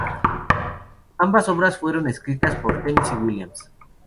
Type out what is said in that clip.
Ambas obras fueron escritas por Tennessee Williams.